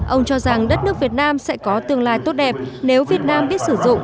ông cho rằng đất nước việt nam sẽ có tương lai tốt đẹp nếu việt nam biết sử dụng